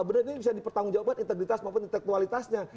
ini bisa dipertanggungjawabkan integritas maupun intektualitasnya